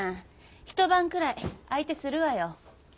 一晩くらい相手するわよ。